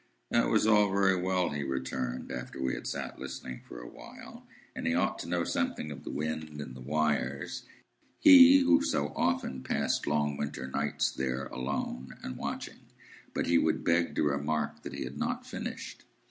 That was all very well, he returned, after we had sat listening for a while, and he ought to know something of the wind and the wires,—he who so often passed long winter nights there, alone and watching. But he would beg to remark that he had not finished.